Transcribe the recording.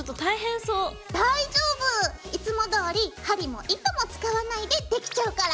大丈夫！いつもどおり針も糸も使わないでできちゃうから。